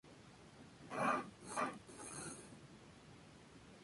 En su primer combate, Jones ganó la pelea por decisión unánime.